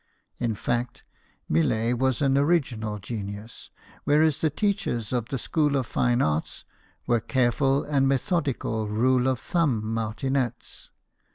In fact, Millet was an original genius, whereas the teachers at the School of Fine Arts were careful and methodical rule of thumb martinets.